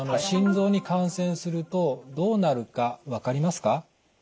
心臓に感染するとどうなるか分かりますか？